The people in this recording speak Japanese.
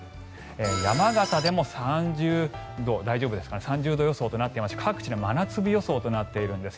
山形でも３０度予想となっていまして各地で真夏日予想となっているんです。